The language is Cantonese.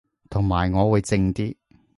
同埋我會靜啲